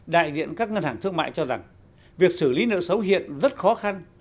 đại diện các ngân hàng thương mại cho rằng việc xử lý nợ xấu hiện rất khó khăn